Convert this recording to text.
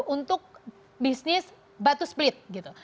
untuk bisnis batu split gitu